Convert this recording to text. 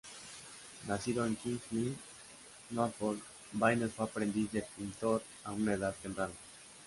Nacido en King's Lynn, Norfolk, Baines fue aprendiz de pintor a una edad temprana.